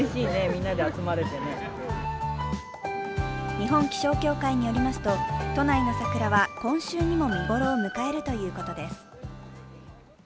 日本気象協会によりますと、都内の桜は今週にも見ごろを迎えるということです。